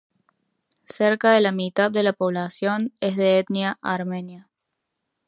Cerca de la mitad de la población es de etnia armenia.